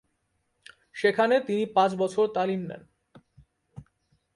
সেখানে তিনি পাঁচ বছর তালিম নেন।